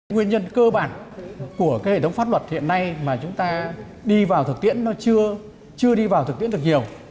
nguyên nhân cơ bản của hệ thống pháp luật hiện nay mà chúng ta đi vào thực tiễn nó chưa đi vào thực tiễn được nhiều